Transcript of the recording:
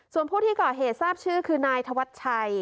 ส่วนผู้ที่ก่อเหตุทราบชื่อคือนายธวัชชัย